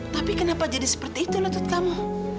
tapi kenapa jadi seperti itu lutut kamu